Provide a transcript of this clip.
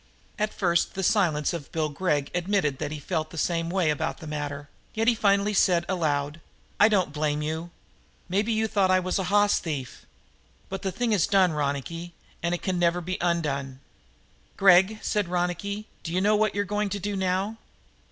At first the silence of Bill Gregg admitted that he felt the same way about the matter, yet he finally said aloud: "I don't blame you. Maybe you thought I was a hoss thief. But the thing is done, Ronicky, and it won't never be undone!" "Gregg," said Ronicky, "d'you know what you're going to do now?"